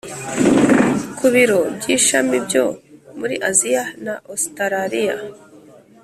ku biro by ishami byo muri Aziya na Ositaraliya